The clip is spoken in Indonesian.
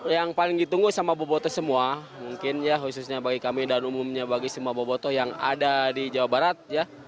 yang paling ditunggu sama boboto semua mungkin ya khususnya bagi kami dan umumnya bagi semua bobotoh yang ada di jawa barat ya